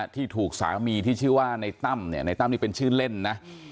ที่ถูกสามีที่ชื่อว่าในตั้มเนี่ยในตั้มนี่เป็นชื่อเล่นนะ